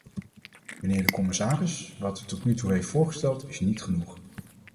Mijnheer de commissaris, wat u tot nu toe heeft voorgesteld is niet genoeg.